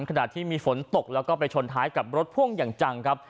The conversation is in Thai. ขณะที่มีฝนตกแล้วก็ไปชนท้ายกับรถพ่วงอย่างจังครับ